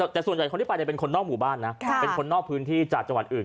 แต่ส่วนใหญ่คนที่ไปเป็นคนนอกหมู่บ้านนะเป็นคนนอกพื้นที่จากจังหวัดอื่น